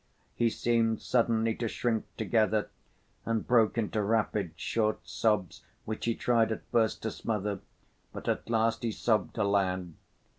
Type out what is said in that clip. He seemed suddenly to shrink together and broke into rapid, short sobs, which he tried at first to smother, but at last he sobbed aloud.